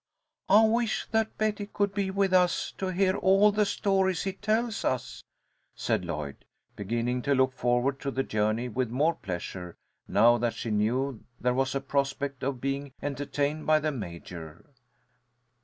"I wish that Betty could be with us to hear all the stories he tells us," said Lloyd, beginning to look forward to the journey with more pleasure, now that she knew there was a prospect of being entertained by the Major.